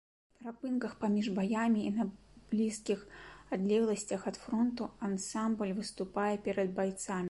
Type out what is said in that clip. У перапынках паміж баямі і на блізкіх адлегласцях ад фронту ансамбль выступае перад байцамі.